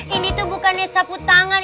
ini tuh bukannya sapu tangan